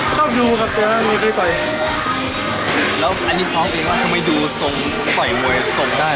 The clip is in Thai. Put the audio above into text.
ชอบดูครับมานี่ต่อย